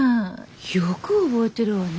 よく覚えてるわね